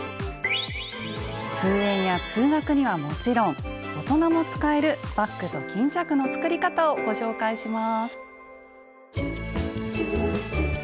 通園や通学にはもちろん大人も使えるバッグと巾着の作り方をご紹介します。